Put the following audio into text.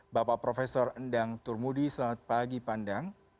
bapak profesor endang turmudi selamat pagi pandang